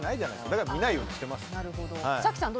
だから、見ないようにしています。